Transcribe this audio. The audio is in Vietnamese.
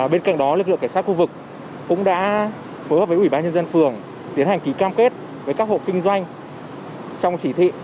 bên cạnh đó lực lượng cảnh sát khu vực cũng đã phối hợp với bộ y tế tiến hành ký cam kết với các hộp kinh doanh trong chỉ thị